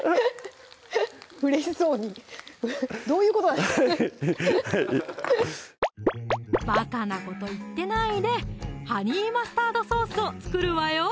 うれしそうにどういうことなんですかバカなこと言ってないでハニーマスタードソースを作るわよ！